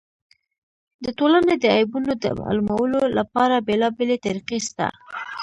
د ټولني د عیبونو د معلومولو له پاره بېلابېلې طریقي سته.